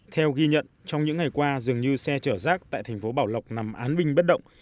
theo ghi nhận trong những ngày qua dường như xe chở rác tại thành phố bảo lộc nằm án binh bất động